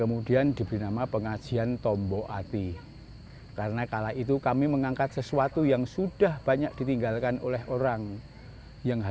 mari kita kembali kepada allah